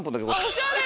おしゃれ。